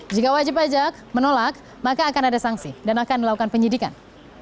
jika wajib pajak menolak maka akan ada sanksi dan akan dilakukan penyidikan